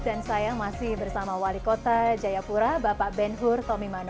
dan saya masih bersama wali kota jayapura bapak ben hur tomimano